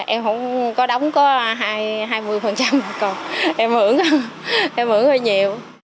em không có đóng có hai mươi mà còn em mượn em mượn hơi nhiều